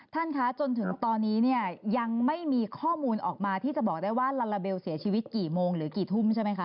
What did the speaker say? ท่านคะจนถึงตอนนี้เนี่ยยังไม่มีข้อมูลออกมาที่จะบอกได้ว่าลาลาเบลเสียชีวิตกี่โมงหรือกี่ทุ่มใช่ไหมคะ